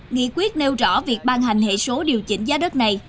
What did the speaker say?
nghị quyết nêu rõ việc ban hành hệ số điều chỉnh giá đất này